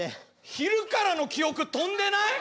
昼からの記憶飛んでない？